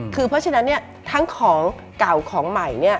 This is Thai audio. คือเพราะฉะนั้นทั้งของเก่าของใหม่